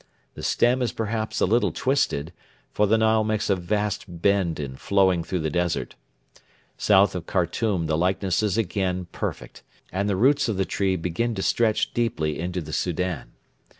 The stem is perhaps a little twisted, for the Nile makes a vast bend in flowing through the desert. South of Khartoum the likeness is again perfect, and the roots of the tree begin to stretch deeply into the Soudan.